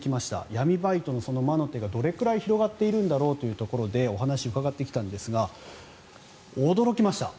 闇バイトの魔の手がどのくらい広がっているのだろうかというところでお話を伺ってきたんですが驚きました。